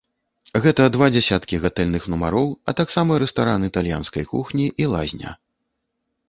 Гэта два дзясяткі гатэльных нумароў, а таксама рэстаран італьянскай кухні і лазня.